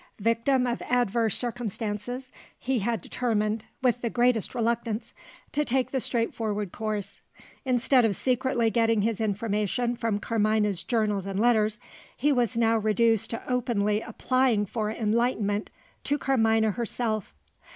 Victim of adverse circumstances, he had determined (with the greatest reluctance) to take the straightforward course. Instead of secretly getting his information from Carmina's journals and letters, he was now reduced to openly applying for enlightenment to Carmina herself.